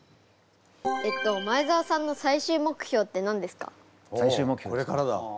えっと前澤さんの最終目標ですか？